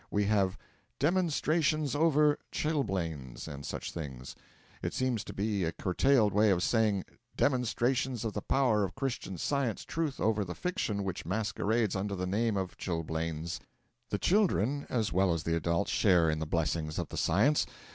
We have 'demonstrations over' chilblains and such things. It seems to be a curtailed way of saying 'demonstrations of the power of Christian Science Truth over the fiction which masquerades under the name of Chilblains.' The children as well as the adults, share in the blessings of the Science.